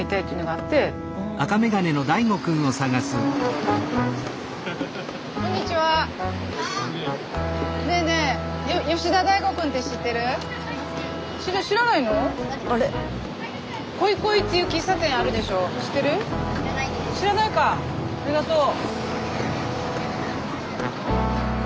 ありがとう。